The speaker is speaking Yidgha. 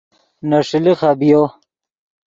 نے ݰیلے خبیو